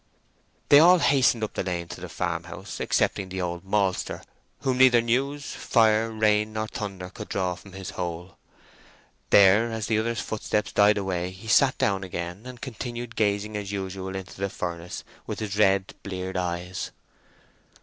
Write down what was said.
They all hastened up the lane to the farmhouse, excepting the old maltster, whom neither news, fire, rain, nor thunder could draw from his hole. There, as the others' footsteps died away he sat down again and continued gazing as usual into the furnace with his red, bleared eyes.